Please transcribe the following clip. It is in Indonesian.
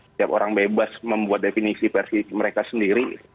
setiap orang bebas membuat definisi versi mereka sendiri